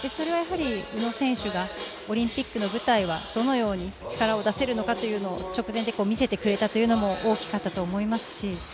宇野選手がオリンピックの舞台はどのように力を出せるのかを直前で見せてくれたというのも大きかったと思います。